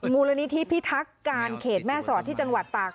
มูลนิธิพิทักการเขตแม่สอดที่จังหวัดตาก